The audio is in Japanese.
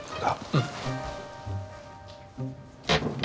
うん。